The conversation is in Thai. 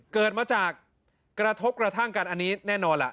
เกิดมาจากกระทบกระทั่งกันอันนี้แน่นอนล่ะ